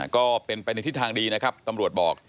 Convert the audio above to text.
ก็เป็นไปในทิศทางดีนะครับตำรวจบอก